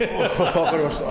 分かりました。